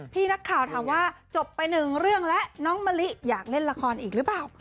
พี่นักข่าวถามว่าจบไปหนึ่งเรื่องแล้วน้องมะลิอยากเล่นละครอีกหรือเปล่า